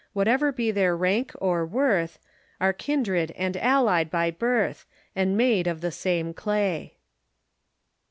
Whatever be their rank or worth, Are kindred and allied by birth. And made of the same clay."